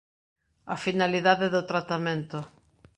A finalidade do tratamento.